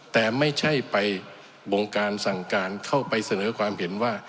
แต่ไม่ใช่ไปบงการสั่งการเข้าไปเสนอความเห็นว่า